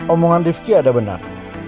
omongan rifki ada benar